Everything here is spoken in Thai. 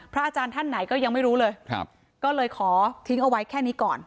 อาจารย์ท่านไหนก็ยังไม่รู้เลยก็เลยขอทิ้งเอาไว้แค่นี้ก่อน